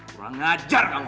kurang ajar kamu